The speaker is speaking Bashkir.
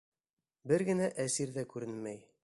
Бер генә әсир ҙә күренмәй.